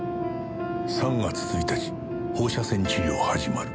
「３月１日放射線治療始まる」